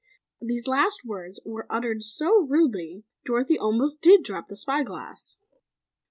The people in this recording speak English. These last words were uttered so rudely, Dorothy almost did drop the spy glass.